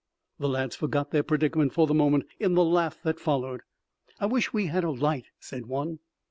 The lads forgot their predicament for the moment in the laugh that followed. "I wish we had a light," said one.